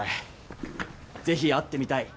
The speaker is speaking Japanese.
「是非会ってみたい。